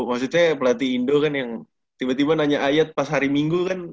maksudnya pelatih indo kan yang tiba tiba nanya ayat pas hari minggu kan